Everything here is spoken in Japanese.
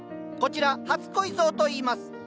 こちら初恋草といいます。